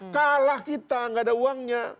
kalah kita gak ada uangnya